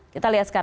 kita lihat sekarang